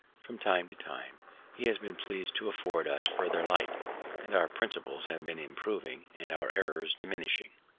From time to time He has been pleased to afford us farther light, and our principles have been improving, and our errors diminishing.